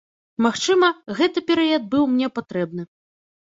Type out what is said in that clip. Магчыма, гэты перыяд быў мне патрэбны.